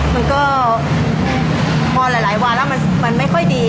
มันก็พอหลายวันแล้วมันไม่ค่อยดี